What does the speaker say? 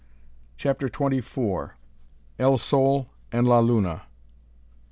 CHAPTER TWENTY FOUR. EL SOL AND LA LUNA.